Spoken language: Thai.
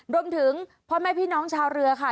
รวมถึงพ่อแม่พี่น้องชาวเรือค่ะ